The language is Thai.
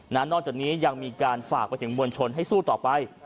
นานนอกจากนี้ยังมีการฝากถึงวันจนให้สู้ต่อไป